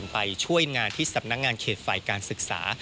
ไปช่วยงานที่สำนักงานเขตฝ่ายการศึกษา